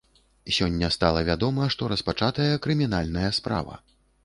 Сёння стала вядома, што распачатая крымінальная справа.